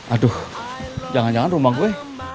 aduh jangan jangan rumah gue